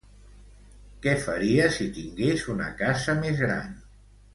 Què faria, si tingués una casa més gran?